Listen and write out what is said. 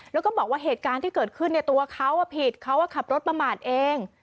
แล้วก็บอกว่าเหตุการณ์ที่เกิดขึ้นตัวเขาผิดเขาขับรถประมาทเอง